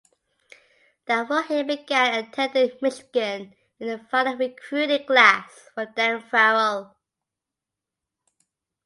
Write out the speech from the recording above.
That fall he began attending Michigan in the final recruiting class for Dan Farrell.